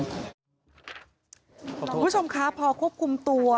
คุณผู้ชมคะพอควบคุมตัว